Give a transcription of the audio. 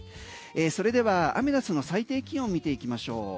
それではアメダスの最低気温を見ていきましょう。